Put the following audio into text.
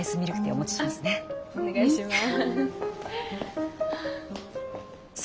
お願いします。